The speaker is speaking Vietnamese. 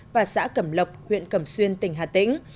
và xã cẩm lộc huyện cẩm xuyên tỉnh hà tĩnh